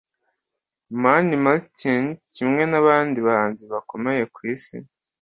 Mani Martin kimwe n’abandi bahanzi bakomeye ku Isi